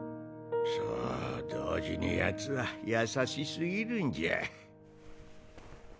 そう同時にヤツは優しすぎるんじゃ。